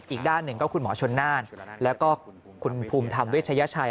อีกด้านหนึ่งก็คุณหมอชนน่านแล้วก็คุณภูมิธรรมเวชยชัย